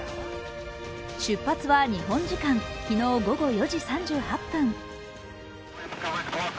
出発は日本時間、昨日午後４時３８分。